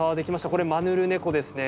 これ、マヌルネコですね。